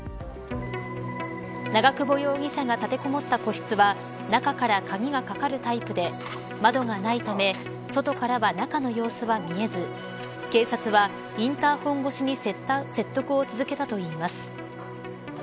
長久保容疑者が立てこもった個室は中から鍵がかかるタイプで窓がないため外からは中の様子は見えず警察は、インターホン越しに説得を続けたといいます。